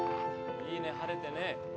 いいね晴れてね。